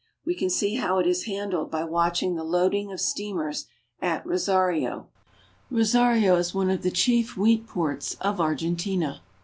We can see how it is handled by watching the loading of steamers at Rosario. Rosario is one of the chief wheat ports of Argentina.